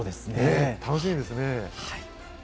楽しみですね。